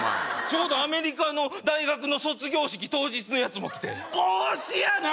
ちょうどアメリカの大学の卒業式当日の奴も来て帽子やな！